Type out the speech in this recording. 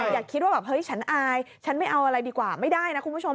อย่าคิดว่าแบบเฮ้ยฉันอายฉันไม่เอาอะไรดีกว่าไม่ได้นะคุณผู้ชม